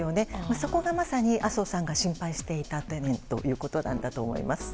そこがまさに麻生さんが心配していた懸念ということだと思います。